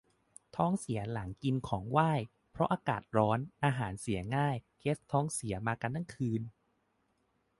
ท้องเสียหลังกินของไหว้ เพราะอากาศมันร้อน อาหารเสียง่าย เคสท้องเสียมากันทั้งคืน